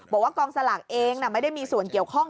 บอกว่ากองสลากเองไม่ได้มีส่วนเกี่ยวข้อง